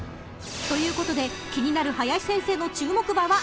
［ということで気になる林先生の注目馬は］